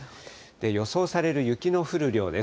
予想される雪の降る量です。